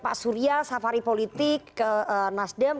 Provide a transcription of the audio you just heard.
pak surya safari politik ke nasdem